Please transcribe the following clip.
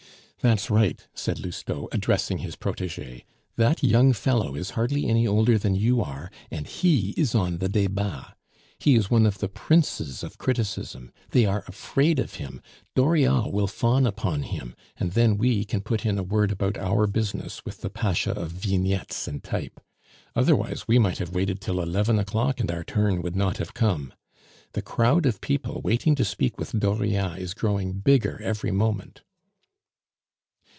"That's right," said Lousteau, addressing his protege. "That young fellow is hardly any older than you are, and he is on the Debats! He is one of the princes of criticism. They are afraid of him, Dauriat will fawn upon him, and then we can put in a word about our business with the pasha of vignettes and type. Otherwise we might have waited till eleven o'clock, and our turn would not have come. The crowd of people waiting to speak with Dauriat is growing bigger every moment."